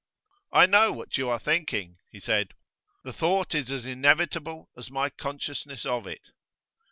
'I know what you are thinking,' he said. 'The thought is as inevitable as my consciousness of it.